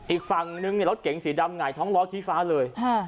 อีกฝั่งนึงรถเก๋งสีดำหง่ายท้องร้อนชีฟ้าเลย